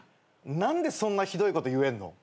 何でそんなひどいこと言えんの？